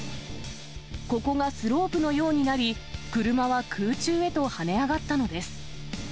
ここがスロープのようになり、車は空中へと跳ね上がったのです。